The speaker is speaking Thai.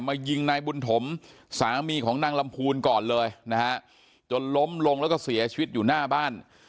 ยิงนายบุญถมสามีของนางลำพูนก่อนเลยนะฮะจนล้มลงแล้วก็เสียชีวิตอยู่หน้าบ้าน